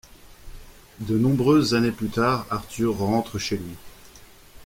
De nombreuses années plus tard, Arthur, rentre chez lui.